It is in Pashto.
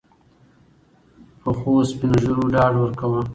پخوسپین ږیرو ډاډ ورکاوه.